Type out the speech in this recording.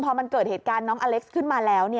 พอมันเกิดเหตุการณ์น้องอเล็กซ์ขึ้นมาแล้ว